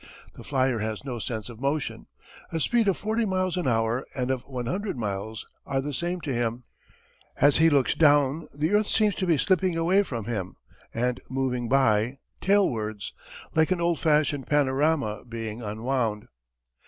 The flyer has no sense of motion. A speed of forty miles an hour and of one hundred miles are the same to him. As he looks down the earth seems to be slipping away from him, and moving by, tailwards, like an old fashioned panorama being unwound.